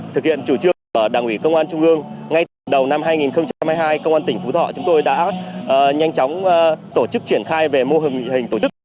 thực hiện chủ trương của đảng ủy công an trung ương ngay từ đầu năm hai nghìn hai mươi hai công an tỉnh phú thọ chúng tôi đã nhanh chóng tổ chức triển khai về mô hình nghị hình tổ chức